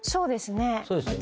そうですね。